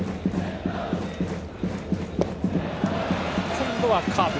今度はカーブ。